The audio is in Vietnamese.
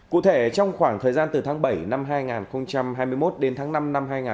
cụ thể trong khoảng thời gian từ tháng bảy năm hai nghìn hai mươi một đến tháng năm năm hai nghìn hai mươi ba